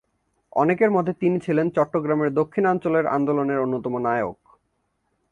অনেকের মতে তিনি ছিলেন চট্টগ্রামের দক্ষিণাঞ্চলের আন্দোলনের অন্যতম নায়ক।